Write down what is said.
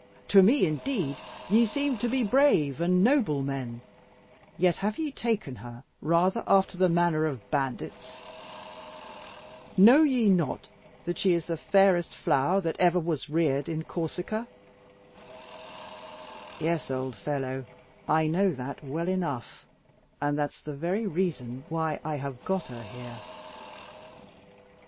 To me, indeed, ye seem to be brave and noble men, yet have ye taken her rather after the manner of bandits. Know ye not that she is the fairest flower that ever was reared in Corsica?" "Yes, old fellow, I know that well enough; and that's the very reason why I have got her here."